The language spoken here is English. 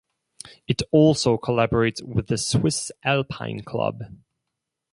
It also collaborates with the Swiss Alpine Club.